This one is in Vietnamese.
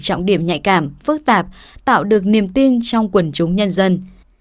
trọng điểm nhạy cảm phức tạp tạo được niềm tin trong quần chúng nhân dân